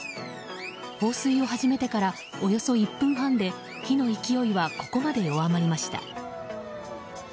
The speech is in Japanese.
放水を始めてからおよそ１分半で火の勢いはここまで弱まりました。